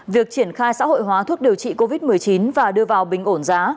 việc triển khai xã hội hóa thuốc điều trị covid một mươi chín và đưa vào bình ổn giá